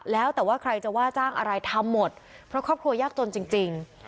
แล้วแต่ว่าใครจะว่าจ้างอะไรทำหมดเพราะครอบครัวยากจนจริง